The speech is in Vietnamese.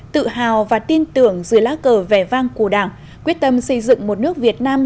tự hào và tin tưởng dưới lá cờ vẻ vang của đảng quyết tâm xây dựng một nước việt nam